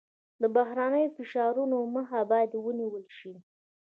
د بهرنیو فشارونو مخه باید ونیول شي.